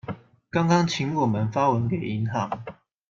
剛剛請我們發文給銀行